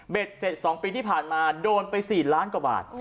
เสร็จ๒ปีที่ผ่านมาโดนไป๔ล้านกว่าบาท